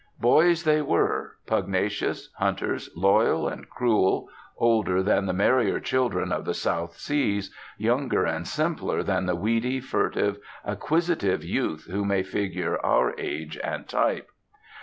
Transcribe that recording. Boys they were, pugnacious, hunters, loyal, and cruel, older than the merrier children of the South Seas, younger and simpler than the weedy, furtive, acquisitive youth who may figure our age and type.